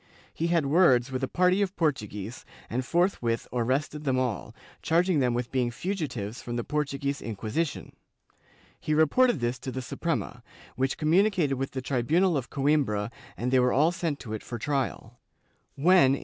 He had words with a party of Portuguese and forthwith arrested them all, charging them with being fugitives from the Portuguese Inquisition. He reported this to the Suprema, which communicated with the tribunal of Coimbra and they were all sent to it for trial.* When, in 1633, 1 MSS.